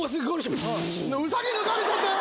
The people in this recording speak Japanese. ウサギ抜かれちゃったよ。